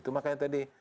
itu makanya tadi